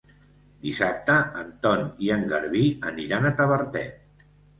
Dissabte en Ton i en Garbí aniran a Tavertet.